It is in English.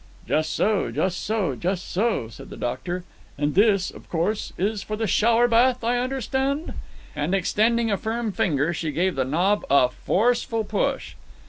"Just so, just so, just so," said the doctor. "And this, of course, is for the shower bath? I understand!" And, extending a firm finger, she gave the knob a forceful push.